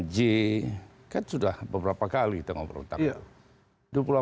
dua puluh delapan j kan sudah beberapa kali kita ngobrol tentang itu